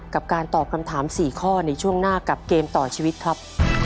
กับการตอบคำถาม๔ข้อในช่วงหน้ากับเกมต่อชีวิตครับ